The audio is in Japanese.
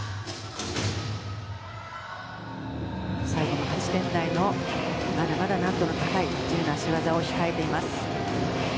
最後８点台のまだまだ難度の高い自由な脚技が控えています。